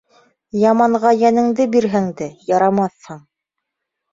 Яманға йәнеңде бирһәң дә, ярамаҫһың.